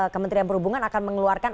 kementerian perhubungan akan mengeluarkan